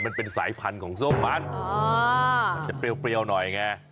มันเป็นสายพันธ์ของส้มหาศมันเปรียวหน่อยอย่างนี้